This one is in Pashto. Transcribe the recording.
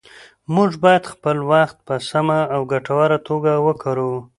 موږ باید خپل وخت په سمه او ګټوره توګه وکاروو